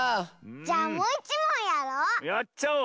じゃあもういちもんやろう。